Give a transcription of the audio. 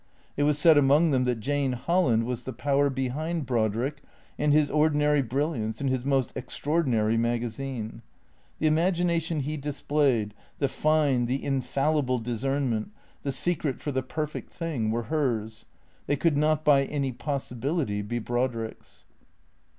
It was said among them that Jane Holland was the power behind Brodrick and his ordinary brilliance and his most extraordinary magazine. The imagination he dis played, the fine, the infallible discernment, the secret for the perfect thing, were hers, they could not by any possibility be Brodrick's.